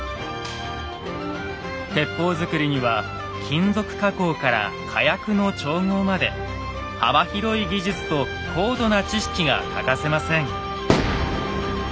鉄砲作りには金属加工から火薬の調合まで幅広い技術と高度な知識が欠かせません。